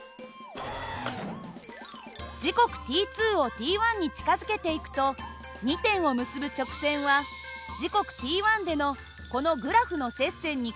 時刻ｔをｔに近づけていくと２点を結ぶ直線は時刻ｔでのこのグラフの接線に限りなく近づきます。